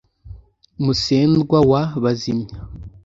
musendwa wa bazimya